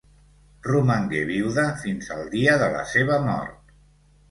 Romangué viuda fins al dia de la seva mort.